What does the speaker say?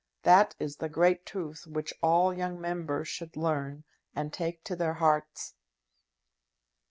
That is the great truth which all young Members should learn, and take to their hearts."